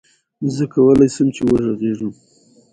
ازادي راډیو د اطلاعاتی تکنالوژي په اړه د راتلونکي هیلې څرګندې کړې.